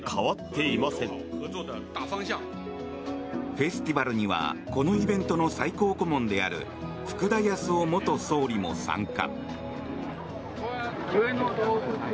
フェスティバルにはこのイベントの最高顧問である福田康夫元総理も参加。